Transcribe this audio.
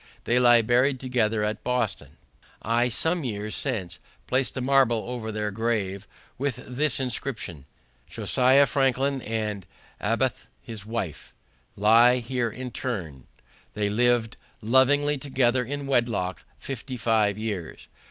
They lie buried together at Boston, where I some years since placed a marble over their grave, with this inscription: Josiah Franklin, and Abiah his wife, lie here interred. They lived lovingly together in wedlock fifty five years.